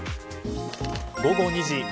午後２時。